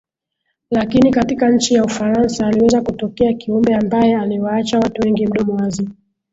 Lakini katika nchi ya Ufarasa aliweza kutokea Kiumbe ambae aliwaacha watu wengi mdomo wazi